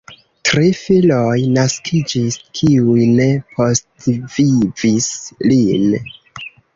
Tri filoj naskiĝis, kiuj ne postvivis lin.